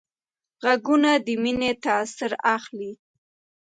غوږونه د مینې تاثر اخلي